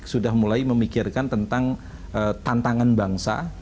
sudah mulai memikirkan tentang tantangan bangsa